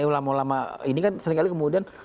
ulama ulama ini kan sering kali kemudian